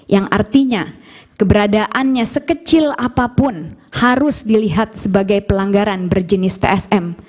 yang artinya keberadaannya sekecil apapun harus dilihat sebagai pelanggaran berjenis psm